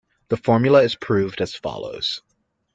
The formula is proved as follows.